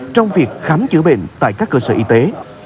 trong việc khám chữa bệnh tại các cơ sở y tế